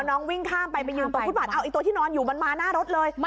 มาน้องวิ่งข้ามไปที่นอนอยู่มาหน้ารถเลย